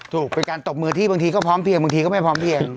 ถูกเป็นการตบมือที่บางทีก็พร้อมเพียงบางทีก็ไม่พร้อมเพียง